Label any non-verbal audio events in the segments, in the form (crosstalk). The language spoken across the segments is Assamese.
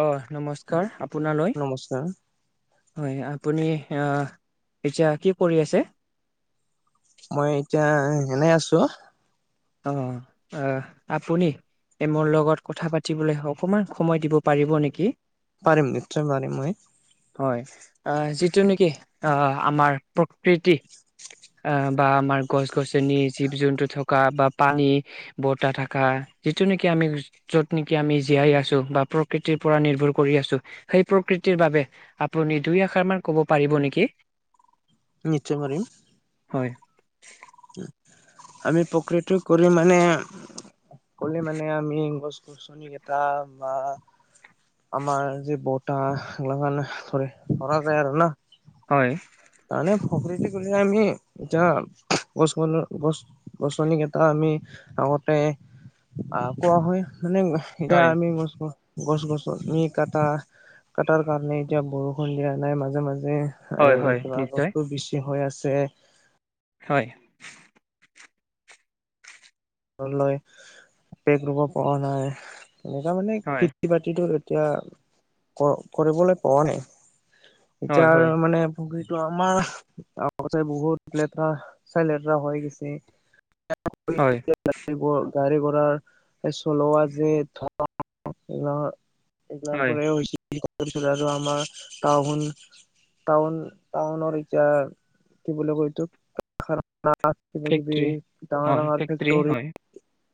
অ' নমস্কাৰ আপোনালৈ, নমস্কাৰ হয় আপুনি এতিয়া কি কৰি মই এতিয়া এনেই আছো। অ', অহ, আপুনি? তেওঁ মোৰ লগত কথা পাতিবলৈ অকমান সময় দিব পাৰিব নেকি? পাৰিম নিশ্চয় পাৰিম। মই অহ' যিটো নেকি, আমাৰ প্ৰকৃতি অ', বা আমাৰ গছ গছনি, জীৱ জন্তু থকা, বা পানী, বতাহ, থকা যিটো নেকি আমি য'ত নেকি আমি জীয়াই আছো, বা প্ৰকৃতিৰ পৰা নিৰ্ভৰ কৰি আছো, সেই প্ৰকৃতিৰ বাবে আপুনি দুই আশাৰ মান কব পাৰিব নেকি? (inaudible) নিশ্চয় পাৰিম। হয়। আমি পকীটো কৰি মানে কলে মানে আমি গছ গছনি কেইটা আমাৰ যে বটাাহ সগিলা কাৰানে ধৰি ধৰা যায় আৰু না হয় খপৰিী গলে আমি এতিয়া গছ, গ-গছ গছনি কেইটা আমি আগতে, অহ', কোৱা হয়। মানে এতিয়া হয় আমি গছ, গছ, গছ, গছ নি কটাৰ কটাৰ কাৰনে, এতিয়া বৰষুণ দিয়া নাই, মাজ যে হয় হয় এইবাৰ নিশ্চয় বস্তু বেছি হৈ আছে হয় ঘ লেক ৰুব পৰা নাই তেনেুৱা মানে হয়, খেতি বাতিতো এতিয়া কৰিবলৈ পোৱা নাই হয়, এতিাৰ হয়, মানে ভ ত আমাৰ গৱৰাই বহুত লেতেৰা চাই লেতেৰা হৈ গৈছে হয়, গাড়ী গাড়ী ঘো়াৰ চলোৱা যে (unintelligible) হয়, (unintelligible) তাহুন তহুনৰ এতিয়া কি বুলি কয় এইটো? না, কিবি ফেক্টৰী ডাঙৰ ডাঙৰ (unintelligible) হয়।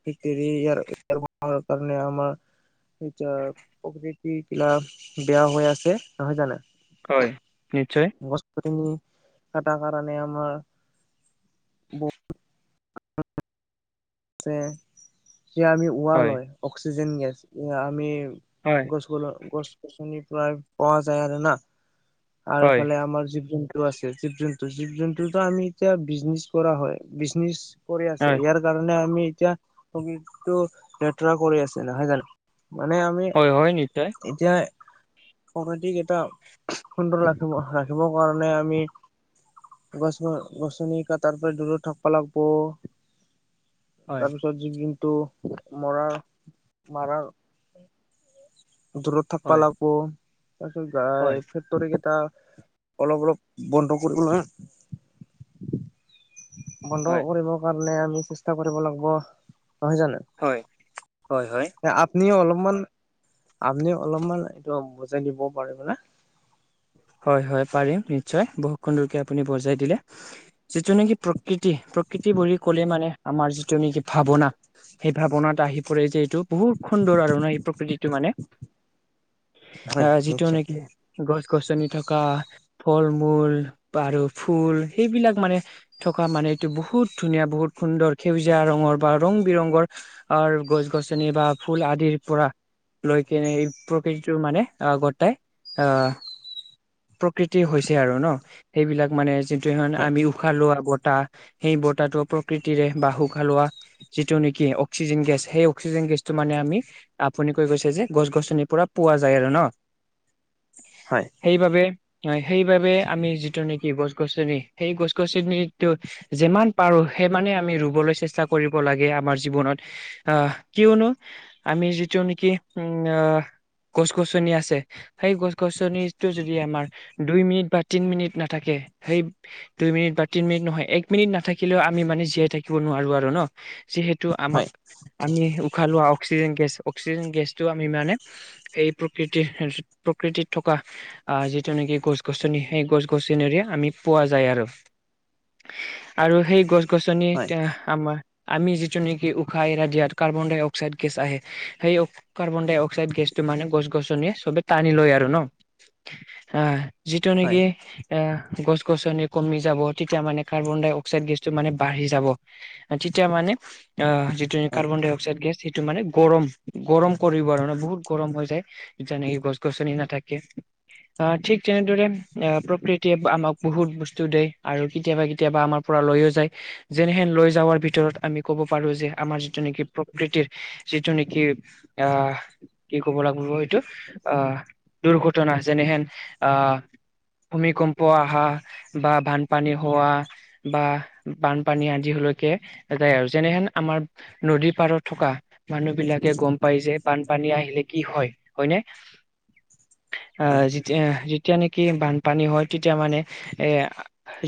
(unintelligible) ই ইয়াৰ কাৰণে আমাৰ এতিয়া প্ৰকৃতি বিলাক বেয়া হৈ আছে, নহয় জান? হয় নিশ্চয়। সেইখিনি কাটা কাৰণে আমাৰ বহুত যে সেয়া আমি উহা হয়, লয় অক্সিজেন গেছ সেয়া আমি হয়, গছবোৰৰ গছ-গছনিৰ পৰায় পোৱা যায় আৰু না। আৰু হয়, ইফালে আমাৰ জীৱ-জন্তু আছে জীৱ জন্তু জীৱ জন্তুটো আমি এতিয়া বিজনেচ কৰা হয়। বিজনেচ কৰি আছে হয়, ইয়াৰ কাৰণে আমি এতিয়া (unintelligible) টো লেতেৰা কৰি আছে, নহয় জানো? মানে আমি হয়, হয়, নিশ্চয় এতিয়া (unintelligible) কেটা সুন্দৰ ৰাখিব ৰাখিবৰ কাৰণে আমি গছ-গছনি কাটাৰ পৰা দূৰত থাকবা লাগব। হয়, তাৰপিছত জীৱ-জন্তু মৰাৰ মাৰাৰ দূৰত থাকপা হয়, লাগব, তাৰ পিছত গা হয়, ফেক্টৰী কেইটা অলপ অলপ বন্ধ কৰিব লা বন্ধ হয়, কৰিব কাৰণে নে আমি চেষ্টা কৰিব লাগিব। নহয় জানো হয় হয় হয় আপনিও অলপ অলমান আপুনি অলপমান এইটো বুজাই দিব পাৰিব নে? হয় হয় পাৰিম নিশ্চয়, বহু খনলৈকে আপুনি বজাই দিলে, যিটো নেকি প্ৰ প্ৰকৃতি, প্ৰকৃতি বুলি ক'লে মানে আমাৰ যিটো নেকি ভাৱনা, সেই ভাৱনাত আহি পৰে যে এইটো বহুত সুন্দৰ আৰু ন' এই প্ৰকৃতিটো মানে। হয় অ' যিটো নিশ্চয় নেকি গছ-গছনি থকা ফল-মূল আৰু ফুল সেইবিলাক মানে থকা মানে এইটো বহুত বহুত ধুনীয়া, বহুত সুন্দৰ, সেউজীয়া ৰঙৰ বা ৰং-বিৰঙৰ গছ-গছনি বা ফুল আদিৰ পৰা লৈ কেনে এই প্ৰকৃতিটোৰ মানে আহ গতাই আহ প্ৰকৃতি হৈছে আৰু ন', সেইবিলাক মানে যিটো (unintelligible) হয় আমি উশাহ লোৱা ব তাহ, সেই বতাহটো প্ৰকৃতিৰে বা উশাহ লোৱা যিটো নেকি অক্সিজেন গেছ সেই অক্সিজেন গেছটো মানে আমি আপুনি কৈ গৈছে যে, গছ গছনিৰ পৰা পোৱা যায় আৰু ন'। হয়। সেইবাবে সেইবাবে আমি যিটো নেকি গছ-গছনি সেই গছ-গছনিটো যিমান পাৰো। সিমানে আমি ৰুবলৈ চেষ্টা কৰিব লাগে আমাৰ জীৱনত। আহ কিয়নো আমি যিটো নেকি উম আহ গছ-গছনি আছে সেই গছ-গছনি যদি আমাৰ দুই মিনিট বা তিনি মিনিট নাথাকে, সেই দুই মিনিট বা তিনি মিনিট নহয় এক মিনিট নাথাকিলেও আমি মানে জীয়াই থাকিব নোৱাৰো আৰু ন'। যিহেতু আমাক হয় আমি উশাহ লোৱা অক্সিজেন গেছ অক্সিজেন গেছটো আমি মানে এই প্ৰকৃতিৰ, প্ৰকৃতিত থকা আহ যিটো নেকি গছ-গছনি সেই গছ-গছনিৰে আমি পোৱা যায় আৰু। আৰু সেই হয় গছ-গছনিতে আমাৰ আমি যিটো নেকি উশাহ এৰা দিয়াত কাৰ্বন -ডাই-অক্সাইড গেছ আহে। সেই কাৰ্বন-ডাই-অক্সাড গেছটো মানে গছ-গছনিয়ে চবে টানি লয় আৰু ন', আহ যিটো নেকি হয় এ' গছ-গছনি কমি যাব, তেতিয়া মানে কাৰ্বন- ডাই-অক্সাইড গেছটো মানে বাঢ়ি যাব। তেতিয়া মানে আহ যিটো হয় কাৰ্বন-ডাই-অক্সাইড গেছ সিটো মানে গৰম, গৰম কৰিব আৰু মানে বহুত গৰম হৈ যায় যেনেকৈ গছ গছনি নাথাকে। (inaudible) আহ, ঠিক তেনেদৰে আ' প্ৰকৃতিয়ে আমাক বহুত বস্তু দেই আৰু কেতিয়াবা কেতিয়াবা আমাৰ পৰা লয়। যেনহেন লৈ যাৱাৰ ভিতৰত আমি ক'ব পাৰো যে আমাৰ যিটো নেকি প্ৰকৃতিৰ যি ঘটনা যেনেহেন আহ ভূমিকম্প আহা, বা বানপানী হোৱা বা বানপানী আদি হ যেনেন আমৰ নদীৰ পাৰত থকা মানুহ বিলাকে গম পায় যে পানী আহিলে কি হয় হয় নে হয় যেতিয়া নেকি বানপানী হয়, তেতিয়া মানে এ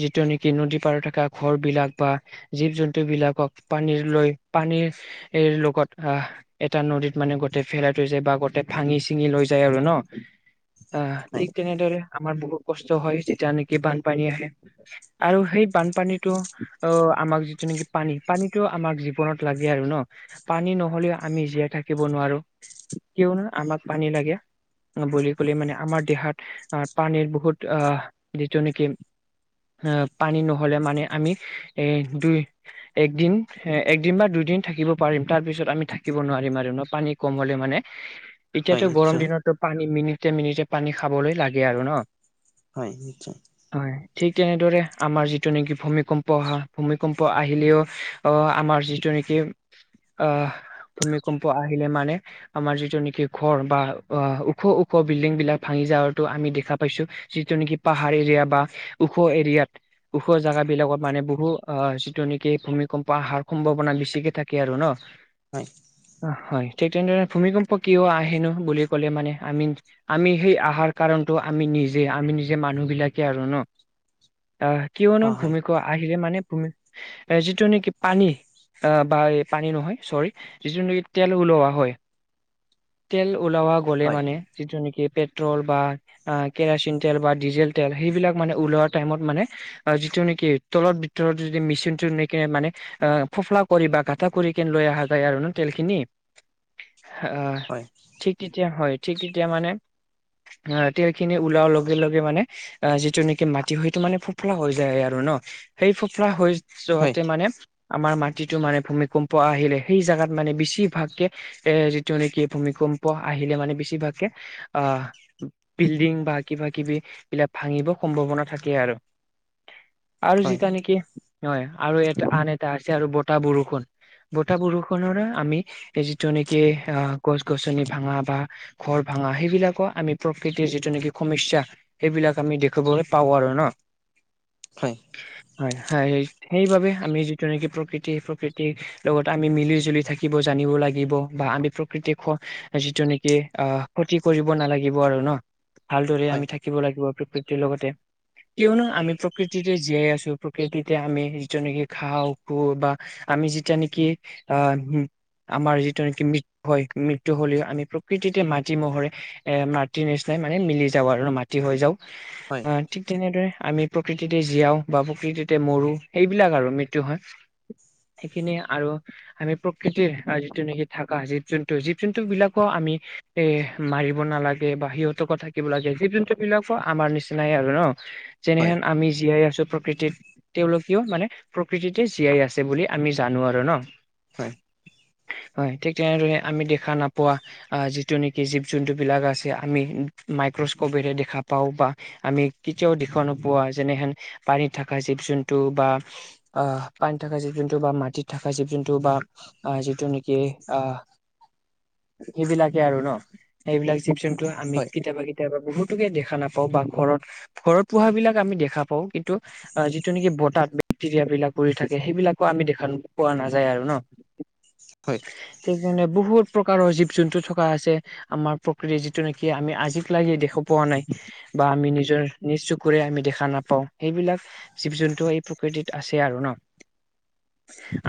যিটো নেকি নদী পাৰত থকা ঘৰবলাক বা জীৱ জন্তু বিলাকক পানীৰ লৈ পানীৰৰ লগত আহ এটা নদীত মানে গোটতে ফেলাই থৈ যায়, বা গোটতে ভাঙি চিঙি লৈ যায় আৰু ন অ', হয় ঠিক তেনেদৰে আমাৰ বহুত কষ্ট হয়, যেতিয়া নেকি বানপানী আহে আৰু সেই বানপানীতটো অ', আমাক যিটো নেকি পানী পানীতটো আমাক জীৱনত লাগে আৰু ন পানী নহ'লেও আমি জীয়াই থাকিব নোৱাৰো, কিয়নো আমাক পানী লাগে বুলি বুলি মানে আমাৰ দেহাত পানীৰ বহুত আহ যিটো নেকি আহ পানী নহ'লে মানে, আমি এ দুই একদিন এ একদিন বা দুই দিন থাকিব পাৰিম, তাৰ পিছত আমি থাকিব নোৱাৰিম, আৰু ন পানী কম হ'লে মানে হয় এতিয়াতো গৰম নিশ্চয় দিনতো পানী মিনিট মিনিট পানী খাবলৈ লাগে আৰু ন হয়, নিশ্চয় হয় ঠিক তেনেদৰে, আমাৰ যিটো নেকি ভূমিকম্প অহা ভূমিকম্প আহিলেও অ আমাৰ যিটো (unintelligible) আহ ভূমিকম্প আহিলে মানে, আমাৰ যিটো নেকি ঘৰ বা অ ওখ ওখ বিল্ডিং বিলাক ভাঙি যাৱো আমি দেখা পাইছো যিটো নেকি পাহাৰ এৰিয়া বা ওখ এৰিয়াত ওখৰ জোগাব বিলাকত মানে, বহু আহ যিটো নেকি ভূমিকম্প আহাৰ সম্ভাৱনা বেছিকে থাকে আৰু ন হয় অ', য় ঠিক তেনেধৰণে ভূমিকম্প কিয় আহেনো বুলি ক'লে মানে, আমি আমি সেই আহাৰ কাৰণটো আমি নিজে আমি নিজে মানুহবিলাকে আৰু ন অ ', কিয় ন হয় হয় ভূমি আখিৰে মানে, ভূমি যিটো নেকি পানী আহ বা এই পানী নহয়, চৰি যি নেকি তেল ওলৱোৱা হয় তেল ওলৱা গ'লে হয় মানে যেনেকি পেট্ৰল বা কেৰাচিন তেল বা ডিজেল তেল সেইবিলাক মানে, ওলোৱা টাইমত মানে যিটো নেকি তলত ভিতলৰত য মেচিনটো কেনে মানে অ ফোফলা কৰি বা গাটা কৰি কেনে য আৰু ন তেল খিন হয় হয় তে হয় এতিয়া মানে অ', তেল খিনি ওলোৱাৰ লগে লগে মানে অ', যিটো নেকি মাটি সেইটো মানে ফোফলা হৈ যায় আৰু ন সেই ফোফলা হৈ যোৱাতে মানে আমাৰ মাটিতো মানে ভূমিকম্প আহিলে সেই জাগাত মানে, বেছিভাগকে এ যিটো নেকি ভূমিকম্প কম্প আহিলে মানে বেছিভাগ অ', বিল্ডিং বা কিবা কিবি এইলাক ভাঙিব সম্ভাৱনা থাকে আৰু আৰু হয় যেিতিয়া নেকি হয়, আৰু এটা আন এটা আছে আৰু বতাহ বৰষুণ বতাহ বৰষুণৰে আমি যিটো নেকি অ গছ গছনি ভাঙা বা ঘৰ ভাঙা সেইবিলাকো আমি প্ৰকৃতিৰ যিটো নেকি সমস্যয়া সেইবিলাক আমি দেখিবলৈ পাওঁ আৰু ন হয়। হয়, হয়, সেইবাবে আমি যিটো নেকি প্ৰকৃতি প্ৰকৃতিৰ লগতে আমি মিলি জুলি থাকিব জানিব লাগিব বা আমি প্ৰকৃতিক যিটো নেকি অ', ক্ষতি কৰিব নালাগিব আৰু ন ভালদৰে আমি থাকিব লাগিব প্ৰকৃতিৰ লগতে কিয়নো আমি প্ৰকৃতিতে জীয়াই আছো প্ৰকৃতিতে আমি যিটো নেকি খাওঁ আমি যিতিয়া নেকি অ', মাৰ যিটো নেকি মৃত্যু হয় মৃত্যু হলেও আমি কৃতিতে মাটি মহৰে এ মাটি নিচিনাই মানে মিলি যাওঁ আৰু মাটি হৈ যাও অ', হয় ঠিক তেনেদৰে আমি প্ৰকৃতিতে জিয়াও বা প্ৰকৃতিতে মৰো সেইবিলাক আৰু মৃত্যু হয়। সেইখিনি আৰু আমি প্ৰকৃতিৰ যিটো নেকি থকা জীৱ জন্তু জীৱ জন্তু বিলাকো আমি এ, মাৰিব নালাগে বা সিহঁতকো থাকিব লাগে জীৱ জন্তু বিলাকো আমাৰ নিচিনাই আৰু ন। হয় যেনেহেন আমি জীয়াই আছো প্ৰকৃতিত তেওঁলোকেও মানে প্ৰকৃতিতে জীয়াই আছে বুলি আমি আমি জানো আৰু ন। হয়। হয় ঠিক তেনেদৰে আমি দেখা নাপোৱা যিটো নেকি জীৱ জন্তুবিলাক আছে আমি মাইক্ৰস্ক'পেৰে দেখা পাওঁ বা আমি কেতিয়াও দেখুুৱা নোপোৱা যেনেহেন পানীত থকা জীৱ জোনু বা অ পানী থকা জিৱ জ (unintelligible) মাটিত থকাৱ যোনটো বা যিটো নেকি আহ, সেইবিলাকে আৰু ন সেইবিলাক চিপচনটো আমি হয় কেতিয়াবা কে কেতিয়াবা বহুতোকে দেখা নাপাও বা ঘৰত ঘৰত পোহ বিলাক আমি দেখা পাও কিন্তু অ যিটো নেকি বতাত মেক্টেৰিয়া বিলাক পৰি থাকে সেইবিলাকো আমি দেখা পোৱা নাযায় আৰু ন? হয়, সেইকাৰণে বহুত প্ৰকাৰৰ জীৱ যোনতটো থকা আছে আমাৰ প্ৰকৃতি যিটো নেকি আমি আজিক লাগিে দেখা পোৱা নাই বা আমি নিজ নিজ চুকুৰে আমি দেখা নাপাওঁ সেইবিলাক জীৱ জন্তু এই প্ৰকৃতিত আছে আৰু ন? (unintelligible)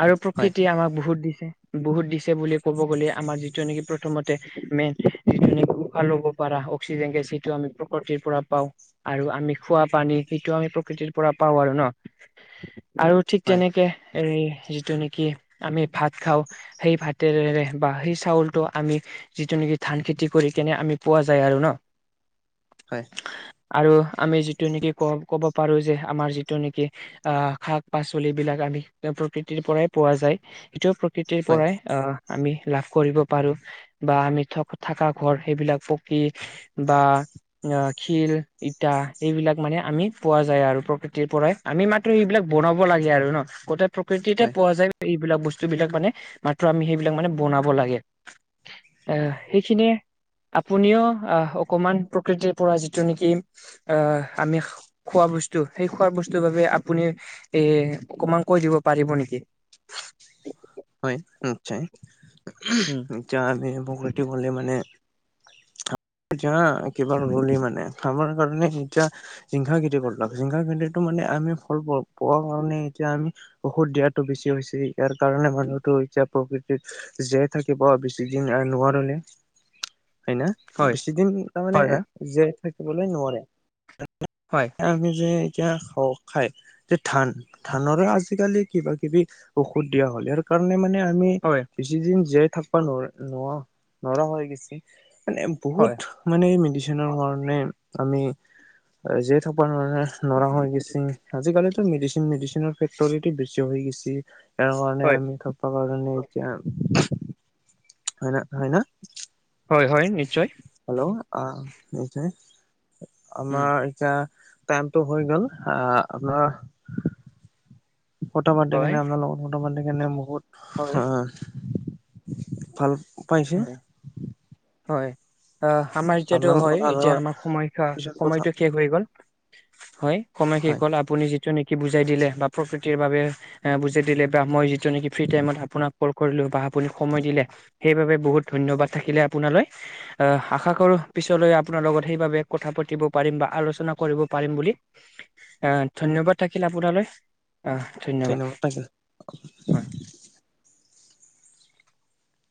আৰু হয় প্ৰকৃতিয়ে আমাক বহুত দিছে বহুত দিছে বুলি ক'ব গ'লে আমাৰ যিটো নেকি প্ৰথমতে মেইন যিটোফ ল'ব পাৰা অক্সিজেন গেছ সেইটো আমি প্ৰকৃতিৰ পৰা পাওঁ। আৰু আমি খোৱা পানী সেইটো আমি প্ৰকৃতিৰ পৰা পাওঁ আৰু ন? আৰু ঠিক হয় তেনেকে এ, যিটো নেকি আমি ভাত খাওঁ সেই ভাতেৰেৰে বা সেই চাউলটো আমি যিটো নেকি ধান খেতি কৰি কেনে আমি পোৱা যায় আৰু ন? হয়, আৰু আমি যিটো নেকি ক কব পাৰো যে আমাৰ যিটো নেকি আহ শাক পাচলি বিলাক, (inaudible) আমি প্ৰকৃতিৰ পৰাই পোৱা যায় সটোয়াও প্ৰকৃতিৰ হয় পৰাই আমি লাভ কৰিব পাৰো বা আমি থ-থকা ঘৰ সেইবিলাক পকী বা অ খীৰ ইটা সবিলাক মানে আমি পোৱা যায় আৰু প্ৰকৃতিৰ পৰাই আমি মাত্ৰ এইবিলাক বনাব লাগে আৰু। ন গোটেই প্ৰকৃতিতে হয় পোৱা যায় এইবিলাক বস্তু বিলাক মানে মাত্ৰ আমি সেইবিলাক মানে বনাব লাগে। আহ সেইখিনিয়ে, আপুনিও আহ, অকমান প্ৰকৃতিৰ পৰা যিটো নেকি আহ, আমি খোৱা বস্তু সেই খোৱাৰ বস্তুৰ বাবে আপুনি এ অকমান কৈ দিব পাৰিব নেকি? (unintelligible) হয় উম (inaudible) মানে য কিবা ৰুল মানে আমাৰ কাৰণে এতিয়া জিংসা খেতি কৰলাক জিংসা খেতিটো মানে আমি ফল পোৱা কাৰণে এতিয়া আমি ঔষধ দিয়াতটো বেছি হৈছে ইয়াৰ কাৰণে মান ো এতিয়া প্ৰকৃতিত জীয়াই থাকিব বেছি দিন নোৱাৰলে হয় ন হয় বেছি দিন তাৰমানে হয় হয় জীয়াই থাকিবলৈ নোৱাৰে হয় আি যে খ খাই যে ধান ধানৰে আজিকালি কিবা কিবি ঔষধ দিয়া হলে আৰু কাৰণে মানে আমি হয় বেছিদিন জীয়াই থাকিব নোৱাৰ নোৱাৰ নৰা হৈ গৈছে মানে বহুত হয় মানে মেডিচিনৰ কাৰণে আমি জে থকা ন নৰা হৈ গেছি আজিকালিো মেডিচিন মেডিচিনৰ ফেক্টৰ বেছি হৈ গেছ ইাৰ কাৰণে হয় আমি থপা কাৰণে এতিয়া হয় হয় ন হয় হয় নিশ্চয় হেল্ল' আহ উম আমাৰ এতিয়া টাইমটো হৈ গল আহ আপোনাৰ ফটো পাতি হয় কেনে আপোনাল লগোকৰ ফটো পাতি কেনে বহুত হয় হ ভাল পাইছে অ' সাম্ৰাজ্যৰ টো আপোনাৰ হয় লগত আৰু এতিয়া আমাৰ সময় পিছত কথা সময়টো শেষ হৈ গ'ল। হয়, সমঢয় শেষ হয় হোৱালে আপুনি যে যিটো নেকি বুজাই দিলে বা প্ৰকৃতিৰ বাবে বুজাই দিলে বা মই যিটো নেকি ফ্ৰী টাইমত আপোনাক কল কৰিলো। বাহ বুলি সময় দিলে। সেইবাবে বহুত ধন্যবাদ থাকিলে আপোনালৈ অহ আশা কৰো পিছলৈ আপোনাৰ লগত সেইবাবে কথা পতা পাতিব পাৰিম বা আলোচনা কৰিব পাৰিম বুলি অহ ধন্যবাদ থাকিল আপোনালৈ। অ' ধন্যবাদ হয়।